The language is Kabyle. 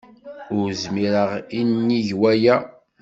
Ur zmireɣ i nnig waya.